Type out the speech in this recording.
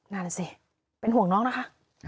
นั่นแหละสิเป็นห่วงน้องนะคะ